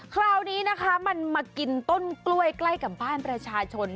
คราวนี้นะคะมันมากินต้นกล้วยใกล้กับบ้านประชาชน